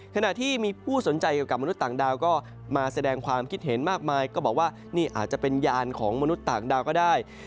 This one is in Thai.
ขณะที่มีผู้สนใจเกี่ยวกับมนุษย์ต่างดาวก็มาแสดงความคิดเห็นมากมายก็บอกว่านี่อาจจะเป็นยานของมนุษย์ต่างดาวก็ได้